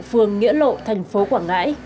phường nghĩa lộ tp quảng ngãi